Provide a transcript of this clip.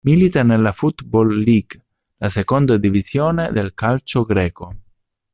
Milita nella Football League, la seconda divisione del calcio greco.